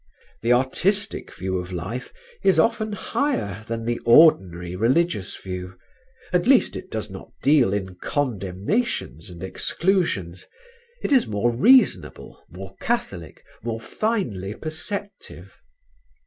The artistic view of life is often higher than the ordinary religious view; at least it does not deal in condemnations and exclusions; it is more reasonable, more catholic, more finely perceptive.